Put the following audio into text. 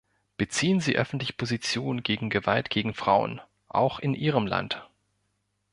Beziehen Sie öffentlich Position gegen Gewalt gegen Frauen, auch in ihrem Land.